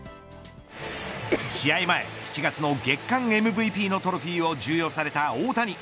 試合前７月の月間ＭＶＰのトロフィーを授与された大谷。